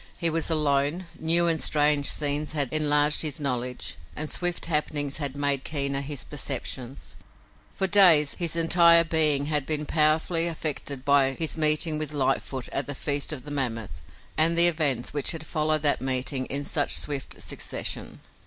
He was alone; new and strange scenes had enlarged his knowledge and swift happenings had made keener his perceptions. For days his entire being had been powerfully affected by his meeting with Lightfoot at the Feast of the Mammoth and the events which had followed that meeting in such swift succession.